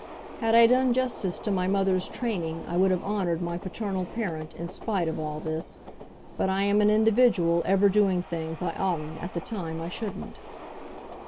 Had I done justice to my mother's training I would have honoured my paternal parent in spite of all this, but I am an individual ever doing things I oughtn't at the time I shouldn't.